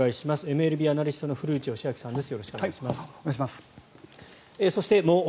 ＭＬＢアナリストの古内義明さんです。